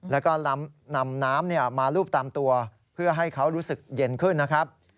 แล้วก็นำน้ำมาลูบตามตัวเพื่อให้เขารู้สึกเย็นขึ้นนะครับ